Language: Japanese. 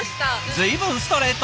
随分ストレート！